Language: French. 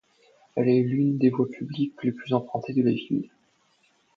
Elle est l'une des voies publiques les plus empruntées de la ville.